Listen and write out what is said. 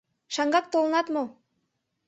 Шаҥгак толынат мо?